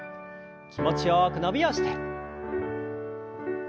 気持ちよく伸びをして。